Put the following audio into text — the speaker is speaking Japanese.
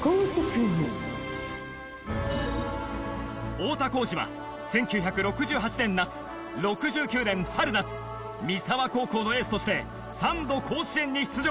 太田幸司は１９６８年夏６９年春夏三沢高校のエースとして３度甲子園に出場。